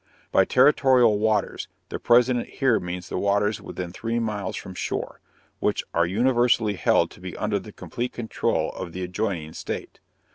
By territorial waters the President here means the waters within three miles from shore, which are universally held to be under the complete control of the adjoining state.